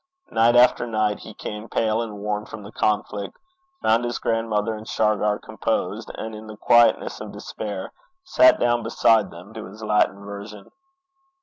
Night after night he came pale and worn from the conflict, found his grandmother and Shargar composed, and in the quietness of despair sat down beside them to his Latin version.